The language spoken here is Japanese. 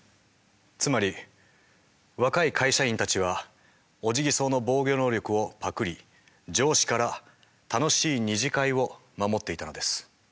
つまり若い会社員たちはオジギソウの防御能力をパクリ上司から楽しい二次会を守っていたのです。